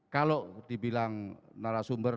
kalau dibilang narasumber